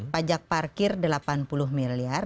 pajak parkir delapan puluh miliar